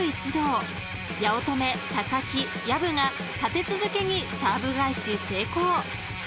［八乙女木薮が立て続けにサーブ返し成功］